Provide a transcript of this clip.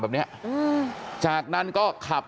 กลับไปลองกลับ